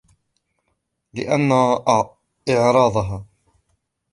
لِأَنَّ إعْرَاضَهَا